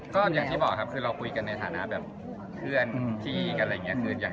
ก็อย่างที่บอกครับคือเราคุยกันในฐานะแบบเพื่อนพี่กันอะไรอย่างนี้